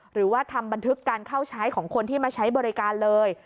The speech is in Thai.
หรือว่าทำบันทึกการเข้าใช้ของคนที่มาใช้บริการเลย